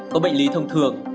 có bệnh lý thông thường